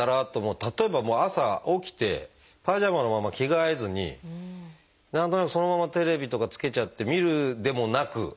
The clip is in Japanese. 例えば朝起きてパジャマのまま着替えずに何となくそのままテレビとかつけちゃって見るでもなく。